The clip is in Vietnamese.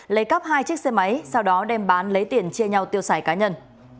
lấy cắp hai chiếc xe máy sau đó đem bán lấy tiền chia nhau tiêu xài cá nhân